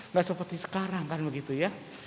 nggak seperti sekarang kan begitu ya